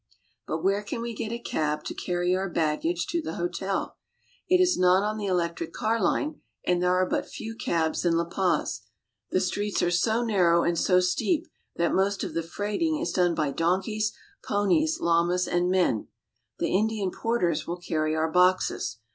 But where can we get a cab to carry our baggage to the hotel ? It is not on the electric car line, and there are but few cabs in La Paz. The streets are so narrow and so steep that most of the freighting is done by donkeys, ponies, llamas, and men. The In dian porters will carry our boxes.